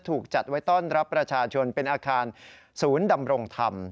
ถูกจัดไว้ต้อนรับประชาชนเป็นอาคารศูนย์ดำรงธรรม